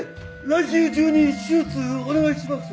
来週中に手術お願いします！